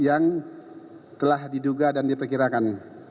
yang telah diduga dan diperkirakan